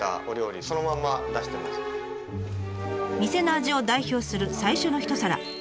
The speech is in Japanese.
店の味を代表する最初の一皿。